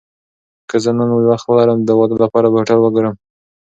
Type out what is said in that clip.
که زه نن وخت ولرم، د واده لپاره به هوټل وګورم.